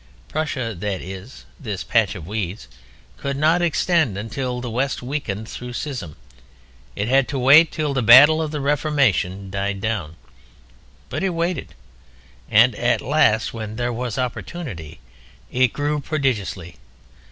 Prussia, that is, this patch of weeds, could not extend until the West weakened through schism. It had to wait till the battle of the Reformation died down. But it waited. And at last, when there was opportunity, it grew prodigiously.